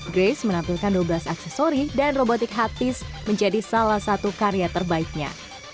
grace menampilkan dua belas aksesori dan robotik hatties menjadi salah satu karya terbaiknya